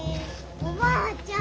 おばあちゃん